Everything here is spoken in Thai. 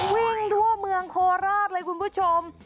วิ่งทั่วเมืองโคราชเลยคุณผู้ชม